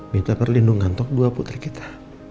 minta perlindungan untuk dua putri kita